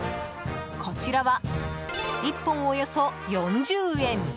こちらは１本およそ４０円。